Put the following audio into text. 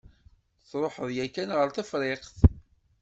Truḥeḍ yakan ɣer Tefriqt?